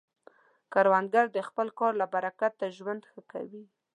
کروندګر د خپل کار له برکته ژوند ښه کوي